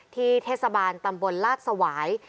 เทศบาลตำบลลาดสวาย